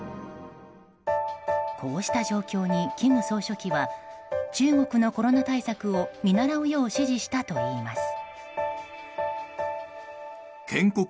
こうした状況に金総書記は中国のコロナ対策を見習うよう指示したといいます。